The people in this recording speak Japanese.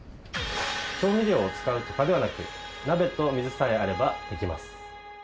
調味料を使うとかではなく鍋と水さえあればできます。